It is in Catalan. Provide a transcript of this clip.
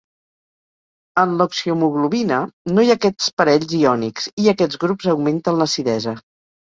En l'oxihemoglobina, no hi ha aquests parells iònics i aquests grups augmenten l'acidesa.